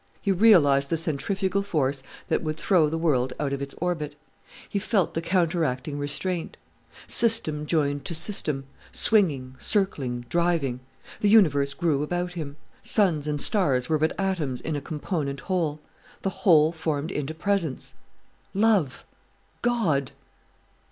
He realized the centrifugal force that would throw the world out of its orbit; he felt the counteracting restraint; system joined to system, swinging, circling, driving; the universe grew about him; suns and stars were but atoms in a component whole; the whole formed into Presence Love! God!